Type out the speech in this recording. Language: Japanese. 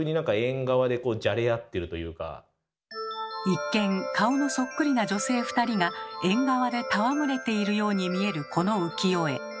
一見顔のそっくりな女性２人が縁側で戯れているように見えるこの浮世絵。